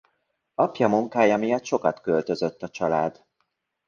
Apja munkája miatt sokat költözött a család.